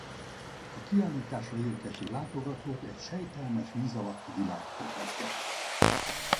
A kiállításra érkező látogatót egy sejtelmes víz alatti világ fogadja.